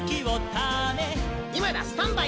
「いまだ！スタンバイ！